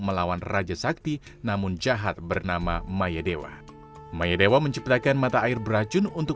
melawan raja sakti namun jahat bernama maya dewa maya dewa menciptakan mata air beracun untuk